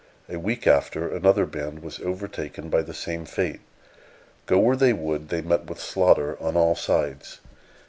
A week after, another band was overtaken by the same fate. Go where they would, they met with slaughter on all sides.